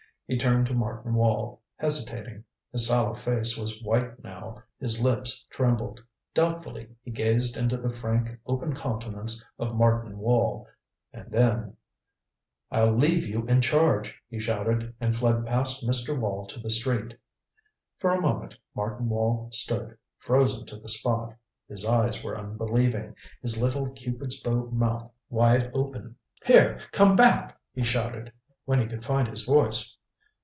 He turned to Martin Wall, hesitating. His sallow face was white now, his lips trembled. Doubtfully he gazed into the frank open countenance of Martin Wall. And then "I leave you in charge," he shouted, and fled past Mr. Wall to the street. For a moment Martin Wall stood, frozen to the spot. His eyes were unbelieving; his little Cupid's bow mouth was wide open. "Here come back " he shouted, when he could find his voice.